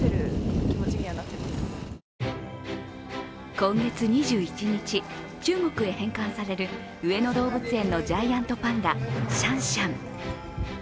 今月２１日、中国へ返還される上野動物園のジャイアントパンダ、シャンシャン。